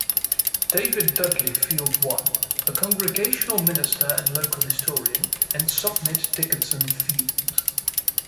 David Dudley Field I, a Congregational minister and local historian, and Submit Dickenson Field.